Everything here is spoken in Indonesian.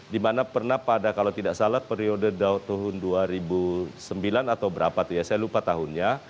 dimana pernah pada kalau tidak salah periode tahun dua ribu sembilan atau berapa tuh ya saya lupa tahunnya